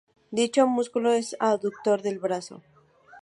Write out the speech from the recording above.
Dicho músculo es "abductor" del brazo.